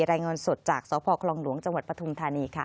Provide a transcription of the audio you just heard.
รายงานสดจากสพคลองหลวงจังหวัดปฐุมธานีค่ะ